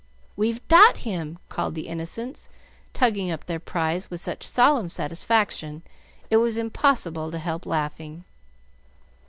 "We've dot him!" called the innocents, tugging up their prize with such solemn satisfaction it was impossible to help laughing.